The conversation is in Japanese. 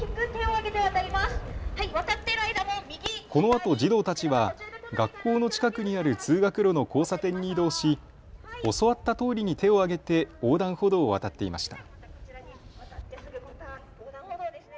このあと児童たちは学校の近くにある通学路の交差点に移動し教わったとおりに手を上げて横断歩道を渡っていました。